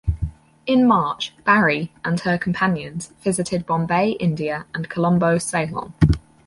In March, "Barry" and her companions visited Bombay, India, and Colombo, Ceylon.